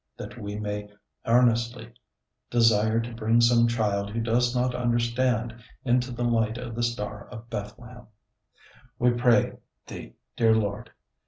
That we may earnestly desire to bring some child who does not understand, into the light of the Star of Bethlehem; We pray Thee, dear Lord.